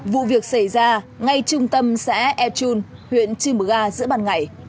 vụ việc xảy ra ngay trung tâm xã echun huyện chư mơ ga giữa bàn ngải